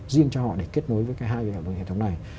riêng cho họ để kết nối với cái hai hệ thống này